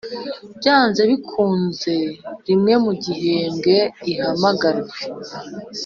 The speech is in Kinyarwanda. byanze bikunze rimwe mu gihembwe ihamagarwe